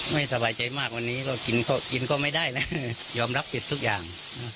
ไม่สบายใจมากวันนี้ก็กินก็กินก็ไม่ได้แล้วยอมรับผิดทุกอย่าง